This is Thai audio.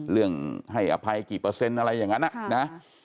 เรื่องให้อภัยกี่เปอร์เซ็นต์อะไรอย่างนั้นนะ